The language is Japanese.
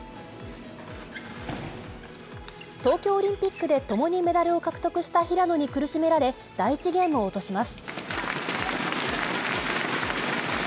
東京オリンピックで、共にメダルを獲得した平野に苦しめられ、第１ゲームを落とします。